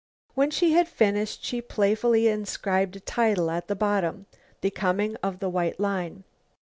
When she had finished, she playfully inscribed a title at the bottom: "The Coming of the White Line."